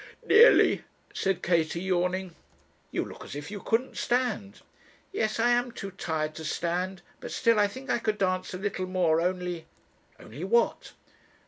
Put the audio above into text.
'Nearly,' said Katie, yawning. 'You look as if you couldn't stand.' 'Yes, I am too tired to stand; but still I think I could dance a little more, only ' 'Only what?'